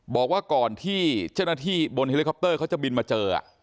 บอกว่าก่อนที่เจ้าหน้าที่บนเฮลิคอปเตอร์เขาจะบินมาเจอ